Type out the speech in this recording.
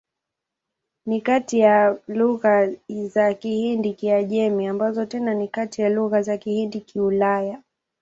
Ni kati ya lugha za Kihindi-Kiajemi, ambazo tena ni kati ya lugha za Kihindi-Kiulaya.